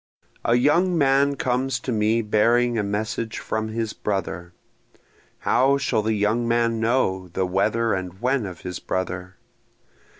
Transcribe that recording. A young man comes to me bearing a message from his brother, How shall the young man know the whether and when of his brother?